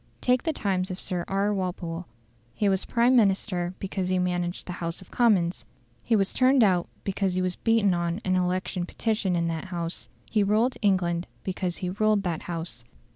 Take the times of Sir R. Walpole. He was Prime Minister because he managed the House of Commons; he was turned out because he was beaten on an election petition in that House; he ruled England because he ruled that House.